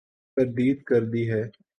تردید کر دی ہے ۔